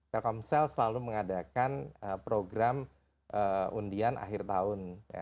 telkomsel selalu mengadakan program undian akhir tahun